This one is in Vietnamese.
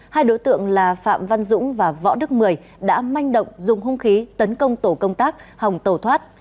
hai đối tượng là phạm văn dũng và võ đức mười đã manh động dùng hung khí tấn công tổ công tác hồng tổ thoát